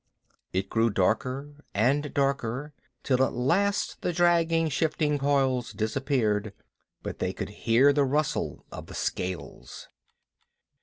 It grew darker and darker, till at last the dragging, shifting coils disappeared, but they could hear the rustle of the scales.